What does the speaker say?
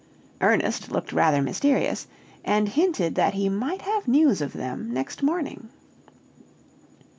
Ernest looked rather mysterious, and hinted that he might have news of them next morning.